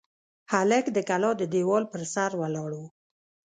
هلک د کلا د دېوال پر سر ولاړ و.